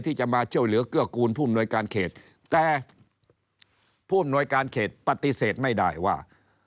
ที่จะมาช่วยเหลือเกื้อกูลผู้อำนวยการเขตแต่ผู้อำนวยการเขตปฏิเสธไม่ได้ว่า